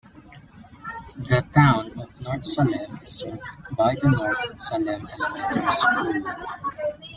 The town of North Salem is served by the North Salem Elementary School.